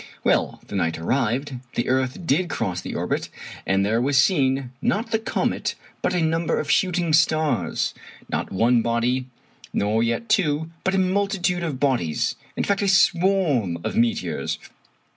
Well, the night arrived, the earth did cross the orbit, and there was seen, not the comet, but a number of shooting stars. Not one body, nor yet two, but a multitude of bodies in fact, a swarm of meteors.